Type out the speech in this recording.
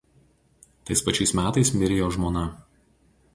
Tais pačiais metais mirė jo žmona.